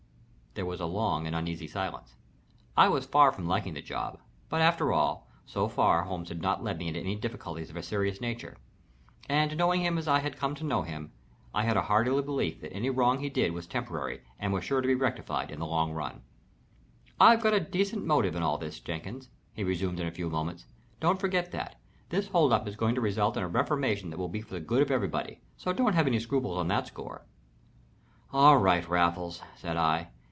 There was a long and uneasy silence. I was far from liking the job, but after all, so far, Holmes had not led me into any difficulties of a serious nature, and, knowing him as I had come to know him, I had a hearty belief that any wrong he did was temporary and was sure to be rectified in the long run. "I've a decent motive in all this, Jenkins," he resumed in a few moments. "Don't forget that. This hold up is going to result in a reformation that will be for the good of everybody, so don't have any scruples on that score." "All right, Raffles," said I.